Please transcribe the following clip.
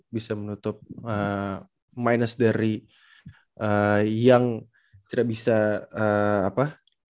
bisa menutup minus dari yang tidak bisa apa